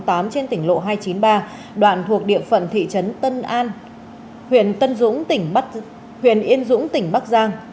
bảy tháng tám trên tỉnh lộ hai trăm chín mươi ba đoạn thuộc địa phận thị trấn tân an huyện yên dũng tỉnh bắc giang